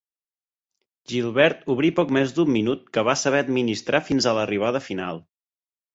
Gilbert obrí poc més d'un minut que va saber administrar fins a l'arribada final.